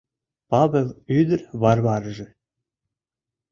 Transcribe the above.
Павыл ӱдыр Варвараже